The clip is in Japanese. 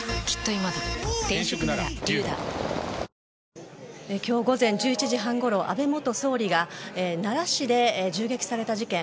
今日午前１１時半ごろ安倍元総理が奈良市で銃撃された事件。